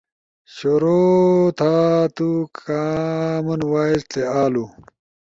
شروع تھا، تُو کان وائس تے آلو